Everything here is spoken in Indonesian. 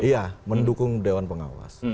iya mendukung dewan pengawas